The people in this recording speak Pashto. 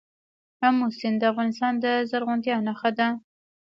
آمو سیند د افغانستان د زرغونتیا نښه ده.